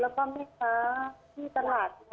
แล้วก็แม่ค้าที่ตลาด